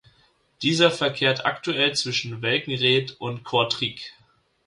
Dieser verkehrt aktuell zwischen Welkenraedt und Kortrijk.